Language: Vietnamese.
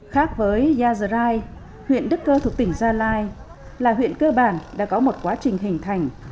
khác với gia giờ rai huyện đức cơ thuộc tỉnh gia lai là huyện cơ bản đã có một quá trình hình thành